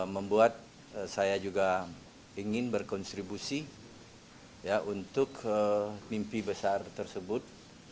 membuat saya juga ingin berkontribusi untuk mimpi besar tersebut